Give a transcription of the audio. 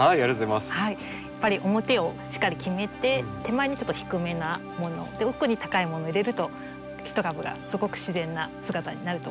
やっぱり表をしっかり決めて手前にちょっと低めなものを奥に高いものを入れると１株がすごく自然な姿になると思います。